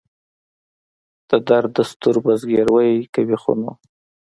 د درد دستور به زګیروی کوي نو.